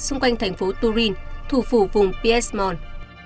xung quanh thành phố turin thủ phủ vùng piesmont